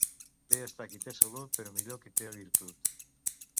Bé està qui té salut, però millor qui té virtut.